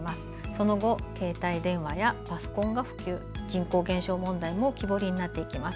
その後携帯電話やパソコンが普及人口減少問題も浮き彫りになっていきます。